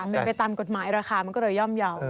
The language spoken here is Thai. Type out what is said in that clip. เป็นไปตามกฎหมายราคามันก็เลยย่อมเยาว์